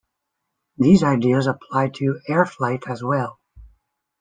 These ideas apply to air flight as well.